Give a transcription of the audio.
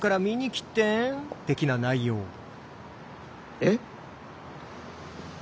えっ。